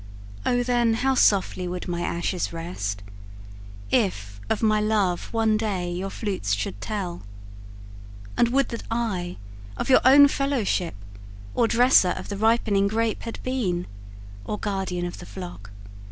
O then how softly would my ashes rest, If of my love, one day, your flutes should tell! And would that I, of your own fellowship, Or dresser of the ripening grape had been, Or guardian of the flock!